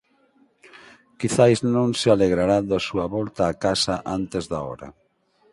Quizais non se alegrará da súa volta á casa antes da hora.